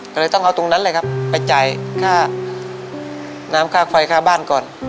ก็เลยต้องเอาตรงนั้นเลยครับไปจ่ายค่าน้ำค่าไฟค่าบ้านก่อน